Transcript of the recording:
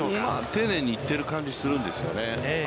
丁寧に行ってる感じするんですよね。